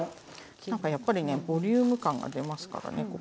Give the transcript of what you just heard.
何かやっぱりねボリューム感が出ますからね。